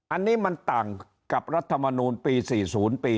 อันนี้มันต่างกับรัฐมนูลปี๔๐ปี